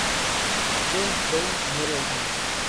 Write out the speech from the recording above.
James Vane muere ahí mismo.